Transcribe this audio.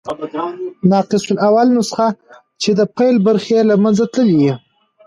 ناقص الاول نسخه، چي د پيل برخي ئې له منځه تللي يي.